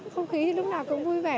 không khí lúc nào cũng vui vẻ